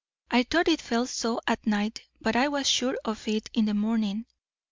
I thought it felt so at night, but I was sure of it in the morning.